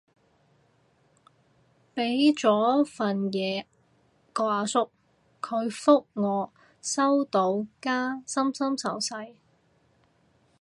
畀咗份嘢個阿叔，佢覆我收到加心心手勢